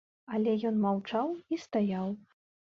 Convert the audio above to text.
Але ён маўчаў і стаяў.